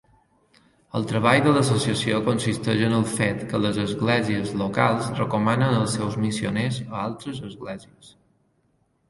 El treball de l'associació consisteix en el fet que les esglésies locals recomanen els seus missioners a altres esglésies.